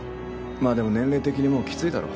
まあでも年齢的にもうきついだろ。